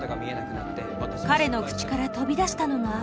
彼の口から飛び出したのが。